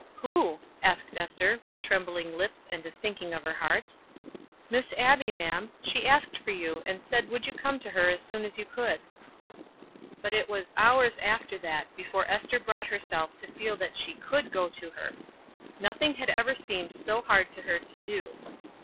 "Who?" asked Ester, with trembling lips and a sinking at her heart. "Miss Abbie, ma'am; she asked for you, and said would you come to her as soon as you could." But it was hours after that before Ester brought herself to feel that she could go to her. Nothing had ever seemed so hard to her to do.